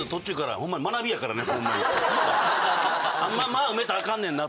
間埋めたらあかんねんな。